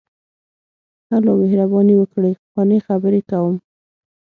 ـ هلو، مهرباني وکړئ، قانع خبرې کوم.